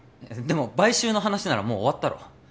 でも買収の話ならもう終わったろ